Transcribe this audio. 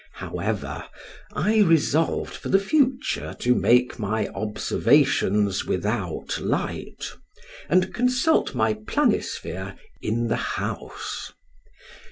However, I resolved for the future to make my observations without light, and consult my planisphere in the house.